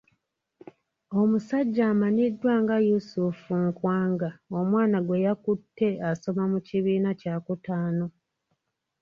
Omusajja amanyiddwa nga Yusuf Nkwanga omwana gwe yakutte asoma mu kibiina kyakutaano.